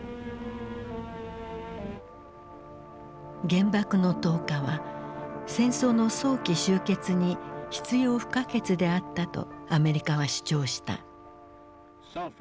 原爆の投下は戦争の早期終結に必要不可欠であったとアメリカは主張した。